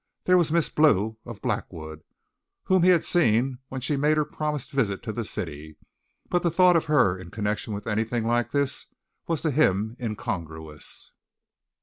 There was Miss Blue, of Blackwood whom he had seen when she made her promised visit to the city but the thought of her in connection with anything like this was to him incongruous.